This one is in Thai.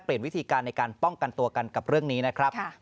วิธีการในการป้องกันตัวกันกับเรื่องนี้นะครับ